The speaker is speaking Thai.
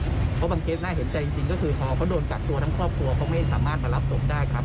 เพราะบางเคสน่าเห็นใจจริงก็คือพอเขาโดนกักตัวทั้งครอบครัวเขาไม่สามารถมารับศพได้ครับ